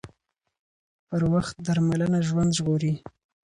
پر وخت درملنه ژوند ژغوري